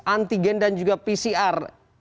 antigen dan juga pcr